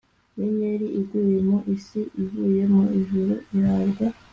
inyenyeri iguye mu isi ivuye mu ijuru ihabwa